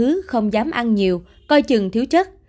nếu kiên cử đủ thứ không dám ăn nhiều coi chừng thiếu chất